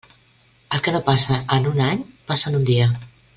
El que no passa en un any passa en un dia.